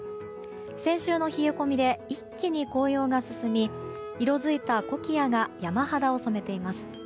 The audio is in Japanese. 先週の冷え込みで一気に紅葉が進み色づいたコキアが山肌を染めています。